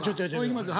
いきます